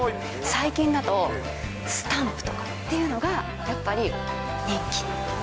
最近だと、スタンプとかっていうのが、やっぱり人気。